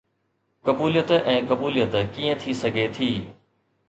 قبوليت ۽ قبوليت ڪيئن ٿي سگهي ٿي؟